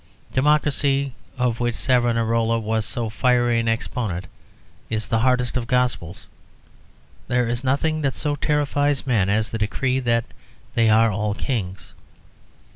Democracy, of which Savonarola was so fiery an exponent, is the hardest of gospels; there is nothing that so terrifies men as the decree that they are all kings.